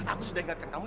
aku sudah ingatkan kamu